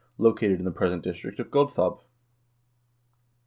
located in the present district of Godthaab.